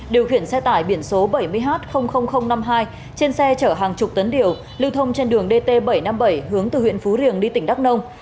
điều khiển xe tải biển số bảy mươi h năm mươi hai trên xe chở hàng chục tấn điều lưu thông trên đường dt bảy trăm năm mươi bảy hướng từ huyện phú riềng đi tỉnh đắk nông